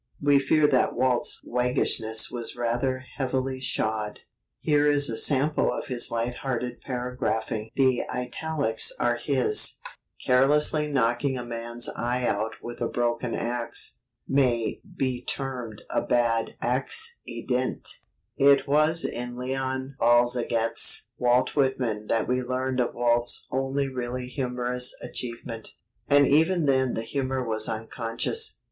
We fear that Walt's waggishness was rather heavily shod. Here is a sample of his light hearted paragraphing (the italics are his): Carelessly knocking a man's eye out with a broken axe, may be termed a bad axe i dent. It was in Leon Bazalgette's "Walt Whitman" that we learned of Walt's only really humorous achievement; and even then the humour was unconscious.